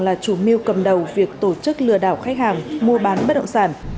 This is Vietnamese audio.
là chủ mưu cầm đầu việc tổ chức lừa đảo khách hàng mua bán bất động sản